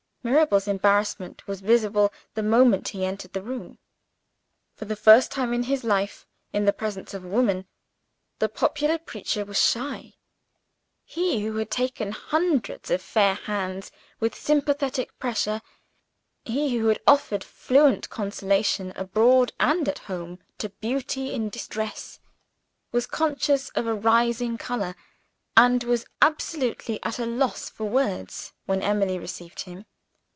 Mirabel's embarrassment was visible the moment he entered the room. For the first time in his life in the presence of a woman the popular preacher was shy. He who had taken hundreds of fair hands with sympathetic pressure he who had offered fluent consolation, abroad and at home, to beauty in distress was conscious of a rising color, and was absolutely at a loss for words when Emily received him.